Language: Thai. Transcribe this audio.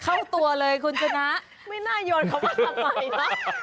เข้าตัวเลยคุณชนะไม่น่าโยนคำว่าทำไมนะ